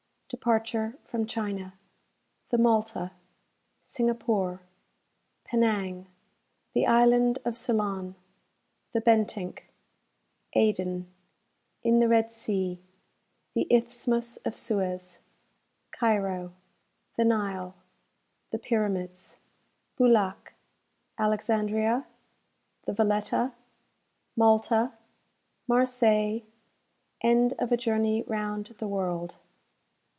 Departure from China The "Malta" Singapore Penang The Island of Ceylon The "Bentinck" Aden In the Red Sea The Isthmus of Suez Cairo The Nile The Pyramids Boulac Alexandria The "Valetta" Malta Marseilles End of a Journey Round the World.